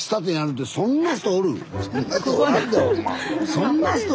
そんな人。